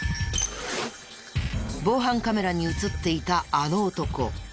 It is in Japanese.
防犯カメラに映っていたあの男。